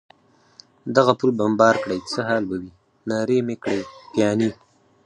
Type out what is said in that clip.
دغه پل بمبار کړي، څه حال به وي؟ نارې مې کړې: پیاني.